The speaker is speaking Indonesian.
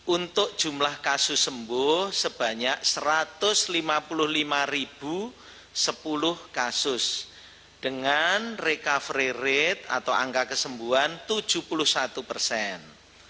untuk jumlah kasus sembuh sebanyak satu ratus lima puluh lima sepuluh kasus dengan recovery rate atau angka kesembuhan tujuh puluh satu persen